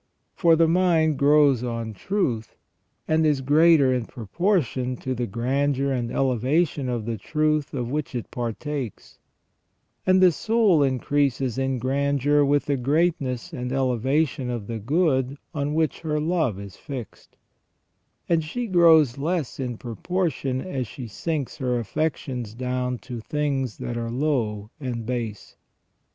For the mind grows on truth, and is greater in proportion to the grandeur and elevation of the truth of which it partakes ; and the soul increases in grandeur with the greatness and elevation of the good on which her love is fixed ; and she grows less in proportion as she sinks her affections down to things that are low and base.